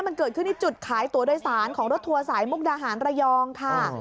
มันเกิดขึ้นที่จุดขายตัวโดยสารของรถทัวร์สายมุกดาหารระยองค่ะ